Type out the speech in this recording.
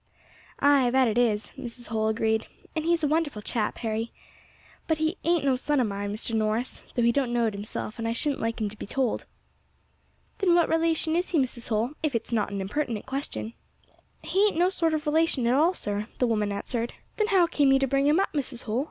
"Ay, that it is," Mrs. Holl agreed, "and he is a wonderful chap, is Harry. But he ain't no son of mine, Mr. Norris, though he don't know it himself, and I shouldn't like him to be told." "Then what relation is he, Mrs. Holl, if it is not an impertinent question?" "He ain't no sort of relation at all, sir," the woman answered. "Then how came you to bring him up, Mrs. Holl?"